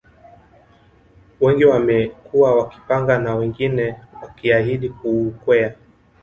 Wengi wamekuwa wakipanga na wengine wakiahidi kuukwea